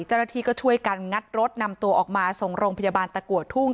เจ้าหน้าที่ก็ช่วยกันงัดรถนำตัวออกมาส่งโรงพยาบาลตะกัวทุ่ง